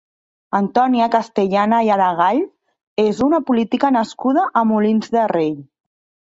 Antònia Castellana i Aregall és una política nascuda a Molins de Rei.